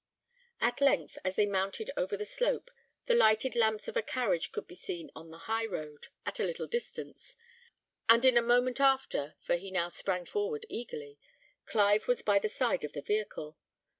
At length, as they mounted over the slope, the lighted lamps of a carriage could be seen on the high road, at a little distance, and in a moment after for he now sprang forward eagerly Clive was by the side of the vehicle.